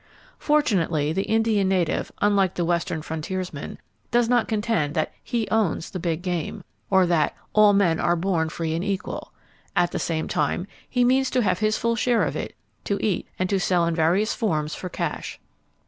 [Page 190] Fortunately, the Indian native,—unlike the western frontiersman,—does not contend that he owns the big game, or that "all men are born free and equal." At the same time, he means to have his full share of it, to eat, and to sell in various forms for cash.